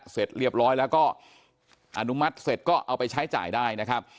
เสร็จเรียบร้อยแล้วก็อนุมัติเสร็จก็เอาไปใช้จ่ายได้นะครับ